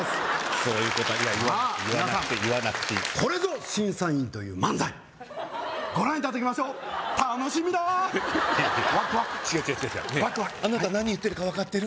そういうことは言わなくて言わなくていいこれぞ審査員！という漫才ご覧いただきましょう楽しみだワクワク違う違う違う違うねえあなた何言ってるか分かってる？